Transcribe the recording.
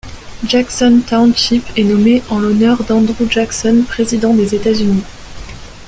Jackson Township est nommé en l'honneur d' Andrew Jackson, président des États-Unis..